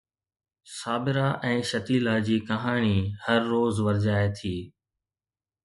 Sabira ۽ Shatila جي ڪهاڻي هر روز ورجائي ٿي.